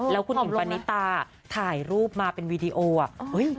แล้วคุณหญิงปณิตาถ่ายรูปมาเป็นวีดีโออ่ะ